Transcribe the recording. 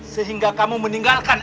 sehingga kamu meninggalkan